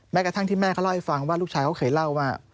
กระทั่งที่แม่เขาเล่าให้ฟังว่าลูกชายเขาเคยเล่าว่า